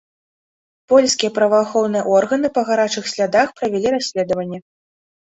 Польскія праваахоўныя органы па гарачых слядах правялі расследаванне.